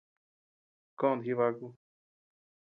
Koʼöd jibaku.